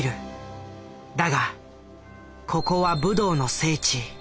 だがここは武道の聖地。